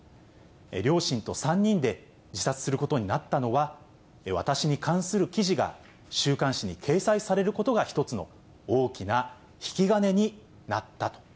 両親と３人で自殺することになったのは、私に関する記事が週刊誌に掲載されることが一つの大きな引き金になったと。